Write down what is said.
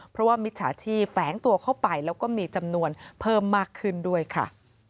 เพราะว่ามิจฉาชีพแฝงตัวเข้าไปแล้วก็มีจำนวนเพิ่มมากขึ้นด้วยค่ะ